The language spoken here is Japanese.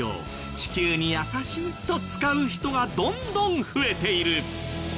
地球に優しいと使う人がどんどん増えている。